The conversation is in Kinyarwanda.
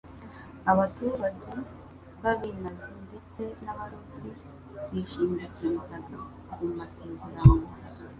Abaturage b'abinazi ndetse n'abarobyi bishingikirizaga ku masezerano